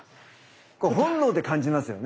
こう本能で感じますよね。